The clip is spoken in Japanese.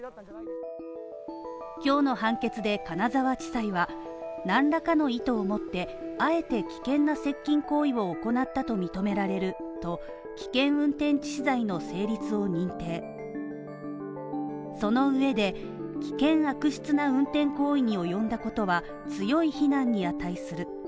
今日の判決で金沢地裁は何らかの意図を持って、あえて危険な接近行為を行ったと認められると危険運転致死罪の成立を認定その上で危険悪質な運転行為に及んだことは強い非難に値する。